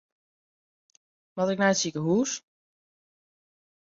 Moat ik nei it sikehús?